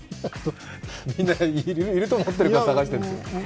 いると思ってるから探してるんです。